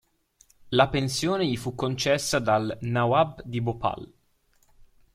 La pensione gli fu concessa dal "Nawab di Bhopal".